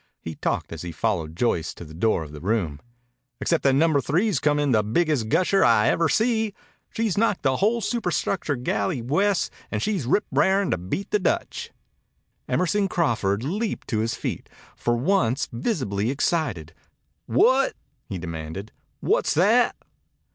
He talked as he followed Joyce to the door of the room. "Except that Number Three's come in the biggest gusher ever I see. She's knocked the whole superstructure galley west an' she's rip r'arin' to beat the Dutch." Emerson Crawford leaped to his feet, for once visibly excited. "What?" he demanded. "Wha's that?"